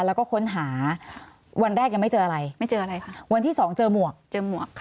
แล้วก็ค้นหาวันแรกยังไม่เจออะไรไม่เจออะไรค่ะวันที่สองเจอหมวกเจอหมวกค่ะ